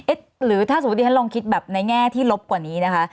หรือถ้าสมมุติฉันลองคิดแบบในแง่ที่ลบกว่านี้นะคะ